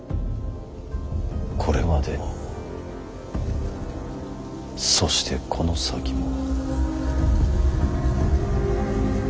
これまでもそしてこの先も。